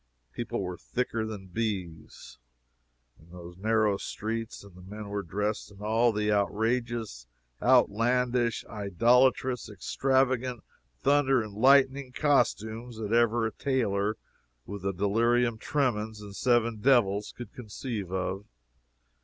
People were thicker than bees, in those narrow streets, and the men were dressed in all the outrageous, outlandish, idolatrous, extravagant, thunder and lightning costumes that ever a tailor with the delirium tremens and seven devils could conceive of.